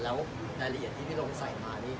แล้วรายละเอียดที่พี่ลงใส่มานี่